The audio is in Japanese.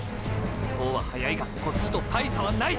向こうは速いがこっちと大差はない！！